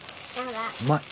うまい。